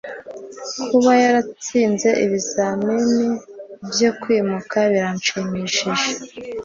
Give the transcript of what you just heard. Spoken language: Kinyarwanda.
kuba yaratsinze ibizamini byo kwimuka birashimishije